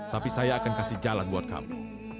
tapi saya akan kasih jalan buat kamu